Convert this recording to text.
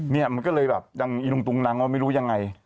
มันก็เลยอย่างอินุงตุงนังว่าไม่รู้ยังไง